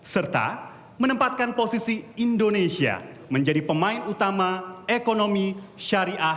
serta menempatkan posisi indonesia menjadi pemain utama ekonomi syariah